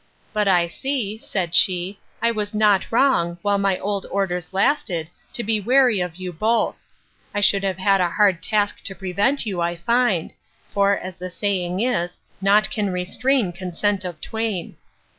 —But I see, said she, I was not wrong, while my old orders lasted, to be wary of you both—I should have had a hard task to prevent you, I find; for, as the saying is, Nought can restrain consent of twain.